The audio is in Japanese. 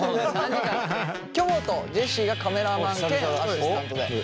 きょもとジェシーがカメラマン兼アシスタントで。